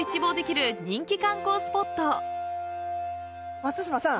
松嶋さん